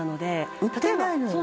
売ってないのよね。